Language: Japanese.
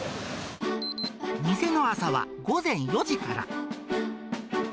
店の朝は午前４時から。